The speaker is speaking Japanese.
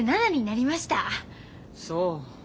そう。